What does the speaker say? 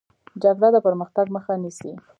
جګړه د پرمختګ مخه نیسي